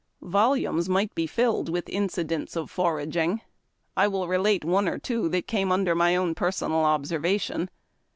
Volumes might be filled with incidents of foraging. I will relate one or two that came under my own personal observation.